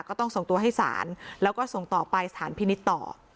ก็ต้องส่งตัวให้ศาลแล้วก็ส่งต่อไปสถานพินิษฐ์ต่อ